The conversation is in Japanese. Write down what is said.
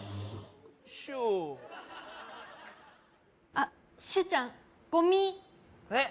あっ周ちゃんゴミえっ？